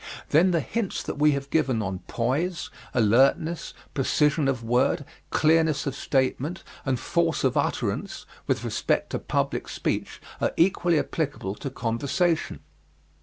Then the hints that we have given on poise, alertness, precision of word, clearness of statement, and force of utterance, with respect to public speech, are equally applicable to conversation.